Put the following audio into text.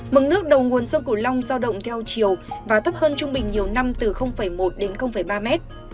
mực nước đầu nguồn sông cửu long giao động theo chiều và thấp hơn trung bình nhiều năm từ một đến ba mét